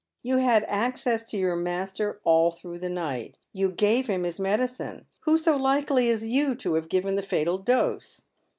You had access to your master all through the night. You gave him his medicine. Whoso likely as you to have given the fatal dose?